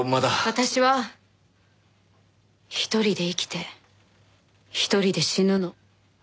私は一人で生きて一人で死ぬの。